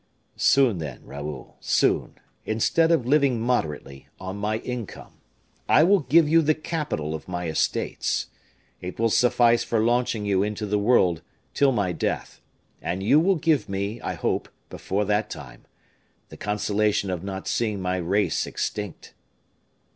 "Soon, then, Raoul, soon, instead of living moderately on my income, I will give you the capital of my estates. It will suffice for launching you into the world till my death; and you will give me, I hope, before that time, the consolation of not seeing my race extinct."